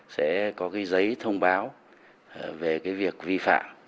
sẽ có giấy thông báo về việc vi phạm